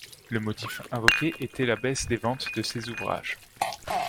Le motif invoqué était la baisse des ventes de ces ouvrages.